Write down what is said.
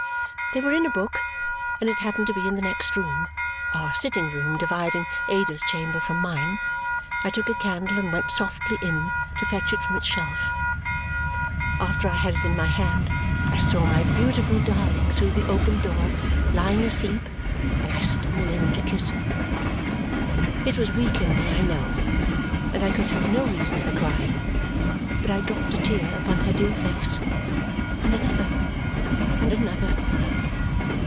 They were in a book, and it happened to be in the next room our sitting room, dividing Ada's chamber from mine. I took a candle and went softly in to fetch it from its shelf. After I had it in my hand, I saw my beautiful darling, through the open door, lying asleep, and I stole in to kiss her. It was weak in me, I know, and I could have no reason for crying; but I dropped a tear upon her dear face, and another, and another.